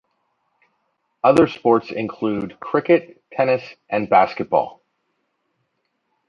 Other sports include cricket, tennis and basketball.